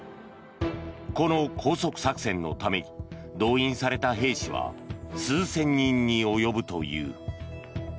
この拘束作戦のために動員された兵士は数千人に及ぶという。